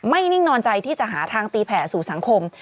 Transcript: นิ่งนอนใจที่จะหาทางตีแผ่สู่สังคม